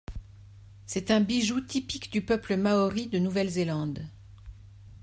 C'est un bijou typique du peuple maori de Nouvelle-Zélande.